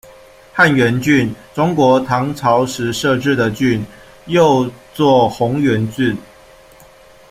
汉源郡，中国唐朝时设置的郡，又作洪源郡。